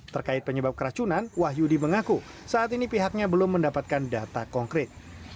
terkait penyebab keracunan wahyudi mengaku saat ini pihaknya belum mendapatkan data konkret